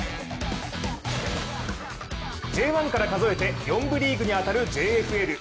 Ｊ１から数えて４部リーグに当たるＪＦＬ。